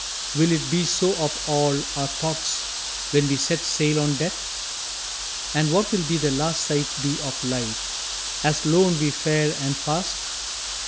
Will it be so of all our thoughts When we set sail on Death? And what will the last sight be of life As lone we fare and fast?